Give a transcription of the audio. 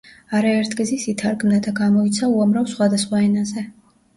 არაერთგზის ითარგმნა და გამოიცა უამრავ სხვადასხვა ენაზე.